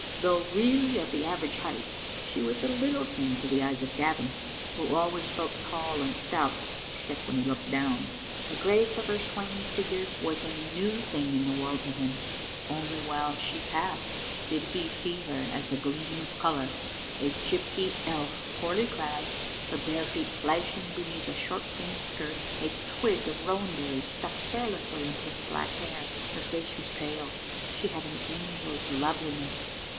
Though really of the aver age height, she was a little thing to the eyes of Gavin, who always felt tall and stout except when he looked down. The grace of her swaying figure was a new Digitized by VjOOQ IC 40 XTbc Kittle Ainistct. thing in the world to him. Only while she passed did he see her as a gleam of colour, a gypsy elf poorly clad, her bare feet flashing beneath a short green skirt, a twig of rowan berries stuck carelessly into her black hair. Her face was pale. She had an angel's loveli ness.